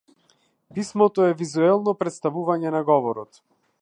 Писмото е визуелно претставување на говорот.